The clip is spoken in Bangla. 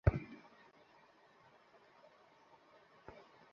একটু বেশিই নেশা চড়েছে তোমার।